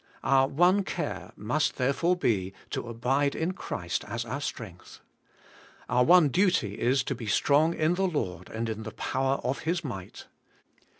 Our one care must therefore be to abide in Christ as our strength. Our one duty is to be strong in the Lord, and in the power of His might.